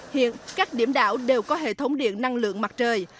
hiện các điểm đảo đều có hệ thống điện năng lượng mặt trời